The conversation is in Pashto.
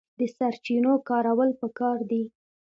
د سرچینو کارول پکار دي